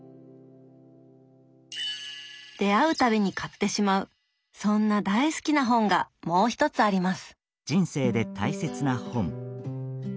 出会う度に買ってしまうそんな大好きな本がもう一つあります。